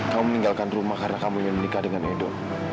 kamu meninggalkan rumah karena kamu ingin menikah dengan edo